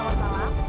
halo selamat malam